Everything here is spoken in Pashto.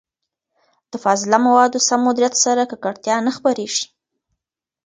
د فاضله موادو سم مديريت سره، ککړتيا نه خپرېږي.